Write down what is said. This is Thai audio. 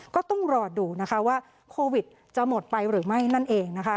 ก็ต้องรอดูนะคะว่าโควิดจะหมดไปหรือไม่นั่นเองนะคะ